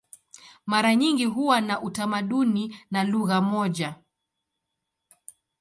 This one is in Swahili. Mara nyingi huwa na utamaduni na lugha moja.